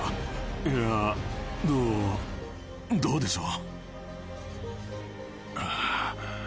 いやどうどうでしょう？